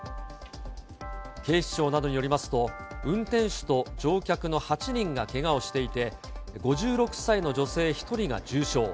警視庁などによりますと、運転手と乗客の８人がけがをしていて、５６歳の女性１人が重傷。